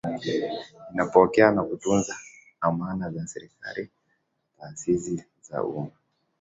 inapokea na kutunza amana za serikali na taasisi za umma